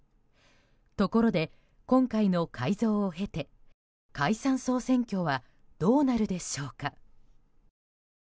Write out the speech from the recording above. ところで、今回の改造を経て解散・総選挙はどうなるでしょうか。